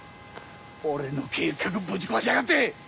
俺の計画ぶち壊しやがって！